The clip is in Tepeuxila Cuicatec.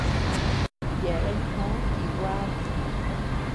Yeabean jò ti guad.